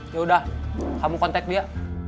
yaudah kamu kontak dia